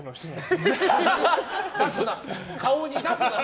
顔に出すな。